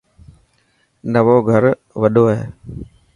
نئوو گھر وڌو هي.